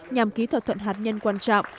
nhằm ký thỏa thuận hạt nhân quan trọng